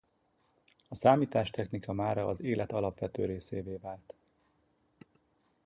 A számítástechnika mára az élet alapvető részévé vált.